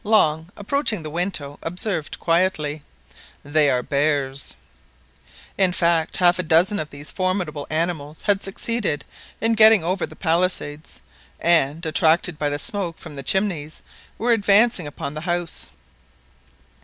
Long, approaching the window observed quietly— "They are bears!" In fact half a dozen of these formidable animals had succeeded in getting over the palisades, and, attracted by the smoke from the chimneys, were advancing upon the house.